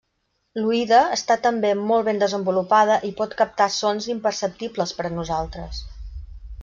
L'oïda està també molt ben desenvolupada i pot captar sons imperceptibles per a nosaltres.